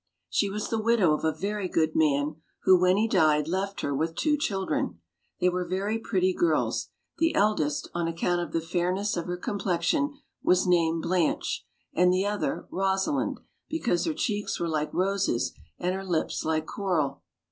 She was the widow of a very good man, who, when he died, left her with two children. They were very pretty girls; the eldest, on account of the fairness of her com plexion, was named Blanche, and the other Eosalind, because her cheeks were like roses, and her lips like coral.